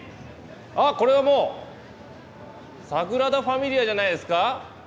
ああこれはもうサグラダ・ファミリアじゃないですか？